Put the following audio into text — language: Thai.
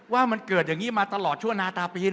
ว่ามันเกิดอย่างนี้มาตลอดชั่วนาตาปี๒๕